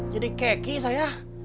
jadi keki saya